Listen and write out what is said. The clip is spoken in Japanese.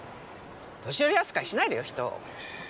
年寄り扱いしないでよ人を！